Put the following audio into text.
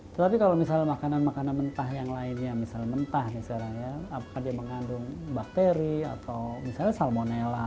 tetapi kalau misalnya makanan makanan mentah yang lainnya misalnya mentah misalnya ya apakah dia mengandung bakteri atau misalnya salmonella